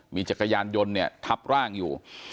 มีจักรยานยนต์เนี่ยทับร่างอยู่